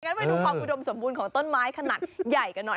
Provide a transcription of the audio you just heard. ไปดูความอุดมสมบูรณ์ของต้นไม้ขนาดใหญ่กันหน่อย